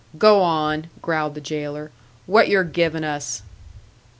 "Go on!" growled the jailer. "What yer givin' us?"